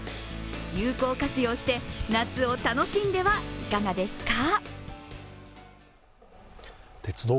有効活用して夏を楽しんではいかがですか。